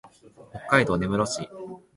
北海道根室市